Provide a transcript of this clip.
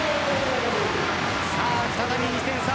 再び２点差。